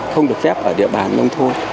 không được phép ở địa bàn nông thôn